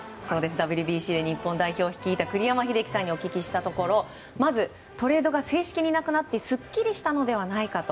ＷＢＣ日本代表を率いた栗山英樹さんにお聞きしたところまずトレードが正式になくなってすっきりしたのではないかと。